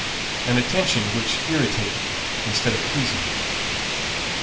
an attention which irritated instead of pleasing him.